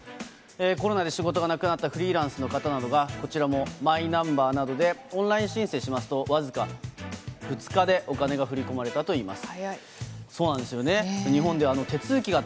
コロナで仕事がなくなったフリーランスの方などが、こちらもマイナンバーなどでオンライン申請しますと、僅か２日でお金が振り込まれたといいます。